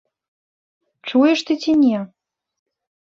Чуеш ты ці не?